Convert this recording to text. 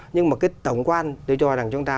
nhưng mà cái tổng quan tôi cho rằng chúng ta